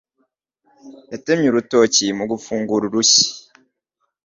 Yatemye urutoki mu gufungura urushyi